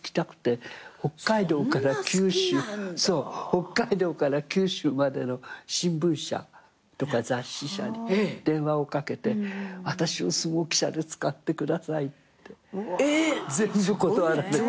北海道から九州までの新聞社とか雑誌社に電話をかけて「私を相撲記者で使ってください」って。全部断られて。